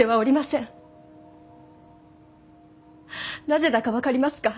なぜだか分かりますか。